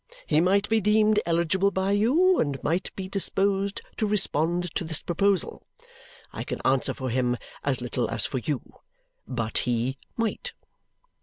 He might be deemed eligible by you and might be disposed to respond to this proposal. I can answer for him as little as for you, but he MIGHT!"